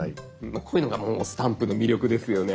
こういうのがもうスタンプの魅力ですよね。